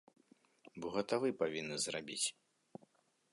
Бо гэта вы павінны зрабіць.